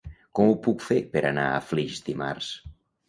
Com ho puc fer per anar a Flix dimarts?